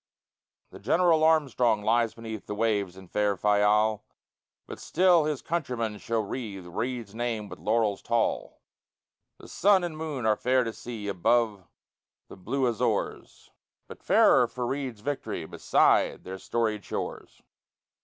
The General Armstrong lies beneath The waves in far Fayal, But still his countrymen shall wreathe Reid's name with laurels tall; The sun and moon are fair to see Above the blue Azores, But fairer far Reid's victory Beside their storied shores.